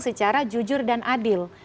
secara jujur dan adil